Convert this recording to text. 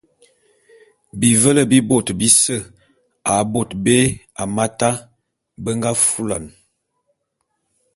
Bivele bi bôt bise a bôt bé Hamata be nga fulane.